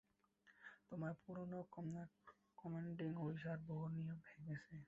তোমার পুরানো commanding officer বহু নিয়ম ভেঙেছে।